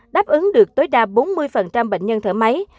đáp ứng được tối đa bốn mươi bệnh nhân thở máy